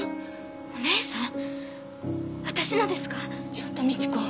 ちょっと美知子。